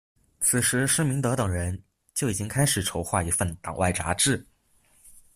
此时施明德等人就已经开始筹划一份党外杂志。